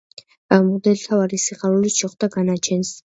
მღვდელმთავარი სიხარულით შეხვდა განაჩენს.